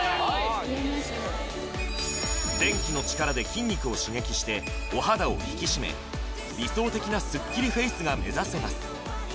電気の力で筋肉を刺激してお肌を引き締め理想的なスッキリフェイスが目指せます